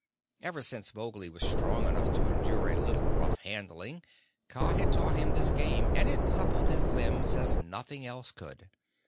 Ever since Mowgli was strong enough to endure a little rough handling, Kaa had taught him this game, and it suppled his limbs as nothing else could.